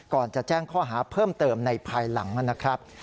ก่อนจะแจ้งข้อหาเพิ่มเติมในภายหลังนะครับ